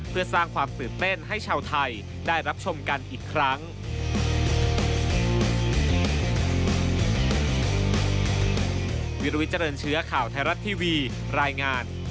เพื่อสร้างความตื่นเต้นให้ชาวไทยได้รับชมกันอีกครั้ง